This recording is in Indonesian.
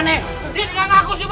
berhenti dengan aku siva